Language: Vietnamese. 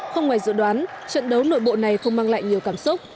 không ngoài dự đoán trận đấu nội bộ này không mang lại nhiều cảm xúc